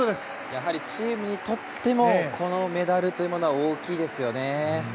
やはりチームにとってもこのメダルというものは大きいですよね。